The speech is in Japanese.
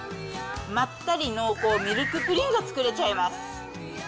まったり濃厚ミルクプリンが作れちゃいます。